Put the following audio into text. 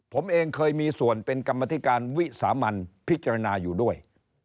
ผมเองเคยมีส่วนเป็นกรรมธิการวิสามันพิจารณาอยู่ด้วย